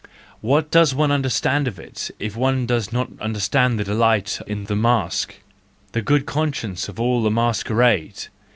What does one understand of it, if one does not understand the delight in the "masque, the good conscience of all masquerade!